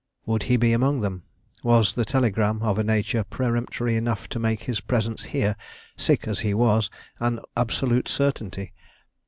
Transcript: Would he be among them? Was the telegram of a nature peremptory enough to make his presence here, sick as he was, an absolute certainty?